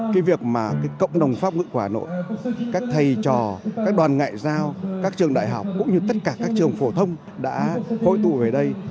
cái việc mà cộng đồng pháp ngữ của hà nội các thầy trò các đoàn ngoại giao các trường đại học cũng như tất cả các trường phổ thông đã hội tụ về đây